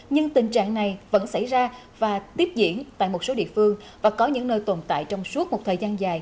nhưng tình trạng này vẫn xảy ra và tiếp diễn tại một số địa phương và có những nơi tồn tại trong suốt một thời gian dài